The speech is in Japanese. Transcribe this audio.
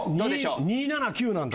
２７９なんだ。